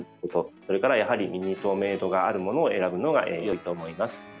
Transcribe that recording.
それから、やはり身に透明度があるものを選ぶのがよいと思います。